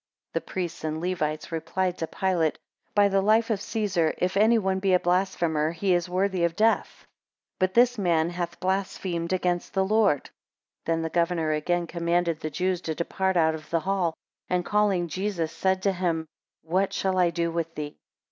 7 The priests and Levites replied to Pilate, By the life of Caesar, if any one be a blasphemer, he is worthy of death; but this man hath blasphemed against the Lord. 8 Then the governor again commanded the Jews to depart out of the hall; and calling Jesus, said to him, What shall I do with thee?